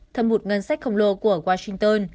thâm hụt ngân sách khổng lồ của washington